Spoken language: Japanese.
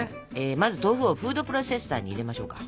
まず豆腐をフードプロセッサーに入れましょうか。